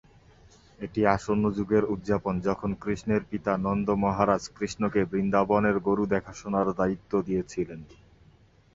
এটি আসন্ন যুগের উদযাপন, যখন কৃষ্ণের পিতা নন্দ মহারাজা কৃষ্ণকে বৃন্দাবনের গরু দেখাশোনার দায়িত্ব দিয়েছিলেন।